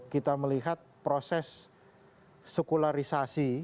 kita melihat proses sekularisasi